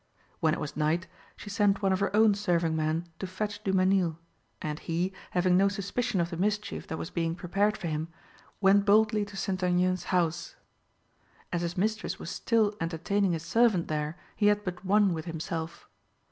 When it was night, she sent one of her own serving men to fetch Du Mesnil; and he, having no suspicion of the mischief that was being prepared for him, went boldly to St. Aignan's house. As his mistress was still entertaining his servant there, he had but one with himself.